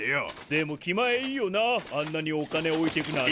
でも気前いいよなあんなにお金置いてくなんて。